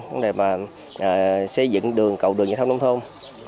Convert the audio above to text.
vấn đề xây dựng đường cầu đường nhà thông nông thôn